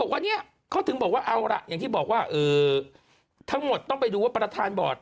วันนี้เขาถึงบอกว่าเอาล่ะอย่างที่บอกว่าทั้งหมดต้องไปดูว่าประธานบอร์ด